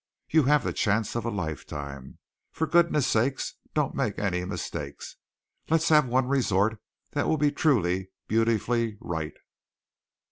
You have the chance of a lifetime. For goodness' sake, don't make any mistakes! Let's have one resort that will be truly, beautifully right."